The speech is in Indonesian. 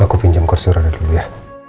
aku pinjam kursi roda dulu ya